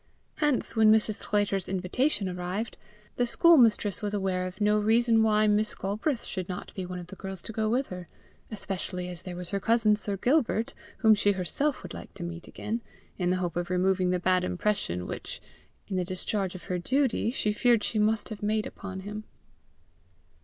Hence, when Mrs. Sclater's invitation arrived, the schoolmistress was aware of no reason why Miss Galbraith should not be one of the girls to go with her, especially as there was her cousin, Sir Gilbert, whom she herself would like to meet again, in the hope of removing the bad impression which, in the discharge of her duty, she feared she must have made upon him.